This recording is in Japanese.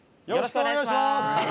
よろしくお願いします！